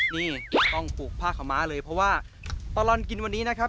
นี่ต้องปลูกผ้าขาวม้าเลยเพราะว่าตลอดกินวันนี้นะครับ